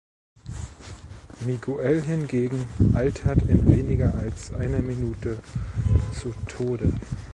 Miguel hingegen altert in weniger als einer Minute zu Tode.